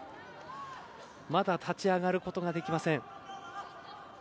まだ立ち上がることができません。